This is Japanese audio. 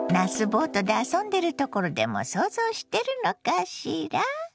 ボートで遊んでるところでも想像してるのかしら？